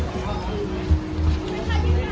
จะได้มีกูนะ